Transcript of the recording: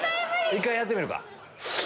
１回やってみるか。